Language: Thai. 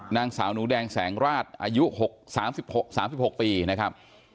นางสาวหนูแดงแสงราชอายุ๓๖ปีนะครับ